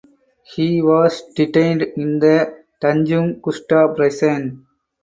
He was detained in the Tanjung Gusta prison.